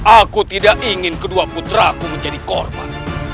aku tidak ingin kedua putraku menjadi korban